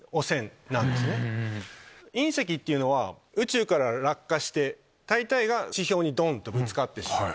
隕石っていうのは宇宙から落下して大体が地表にドン！とぶつかってしまう。